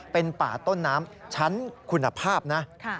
เป็นป่าต้นน้ำชั้นคุณภาพนะ